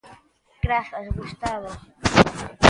Grazas, Gustavo.